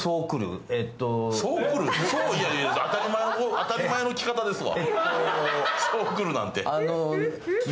当たり前の来方ですわ。